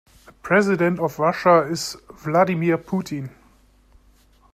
The president of Russia is Vladimir Putin.